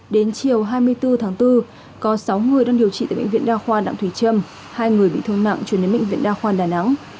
đến chiều hai mươi bốn tháng bốn có sáu người đang điều trị tại bệnh viện đa khoa đạm thủy trâm hai người bị thương nặng chuyển đến bệnh viện đa khoa đà nẵng